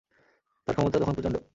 তার ক্ষমতা তখন প্রচণ্ড।